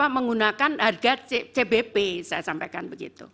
menggunakan harga cbp saya sampaikan begitu